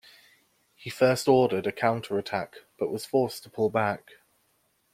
He first ordered a counterattack, but was forced to pull back.